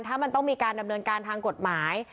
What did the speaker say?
ถ้ามันต้องมีการดำเนินการทางกฎหมาย